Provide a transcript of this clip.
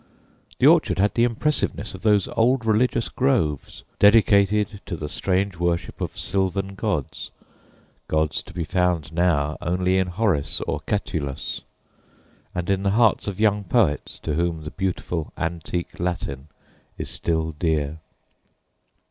The orchard had the impressiveness of those old religious groves, dedicated to the strange worship of sylvan gods, gods to be found now only in Horace or Catullus, and in the hearts of young poets to whom the beautiful antique Latin is still dear.